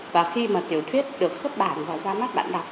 và khi mà tiểu thuyết được xuất bản và ra mắt bạn đọc